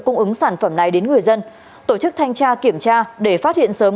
cung ứng sản phẩm này đến người dân tổ chức thanh tra kiểm tra để phát hiện sớm